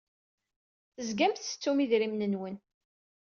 Tezgam tettettum idrimen-nwen.